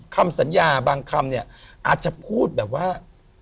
คำสัญญาบางคำเนี่ยอาจจะพูดแบบว่า